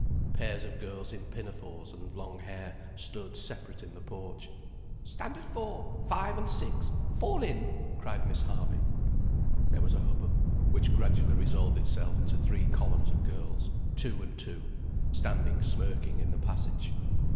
Pairs of girls in pinafores and long hair stood separate in the porch. "Standard Four, Five, and Six—fall in," cried Miss Harby. There was a hubbub, which gradually resolved itself into three columns of girls, two and two, standing smirking in the passage.